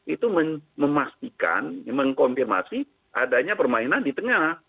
itu memastikan mengkonfirmasi adanya permainan di tengah